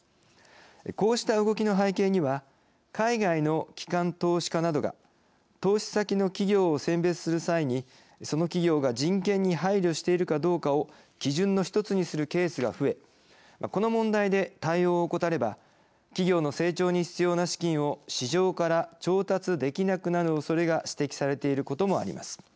こうした動きの背景には海外の機関投資家などが投資先の企業を選別する際にその企業が人権に配慮しているかどうかを基準の一つにするケースが増えこの問題で対応を怠れば企業の成長に必要な資金を市場から調達できなくなるおそれが指摘されていることもあります。